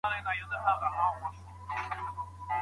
که د میوو سړې خونې فعالې وي، نو د باغوانانو خوارۍ نه ضایع کیږي.